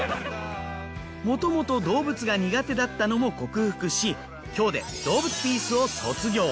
もともと動物が苦手だったのも克服し今日で『どうぶつピース！！』を卒業。